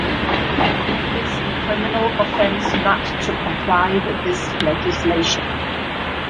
It is a criminal offence not to comply with this legislation.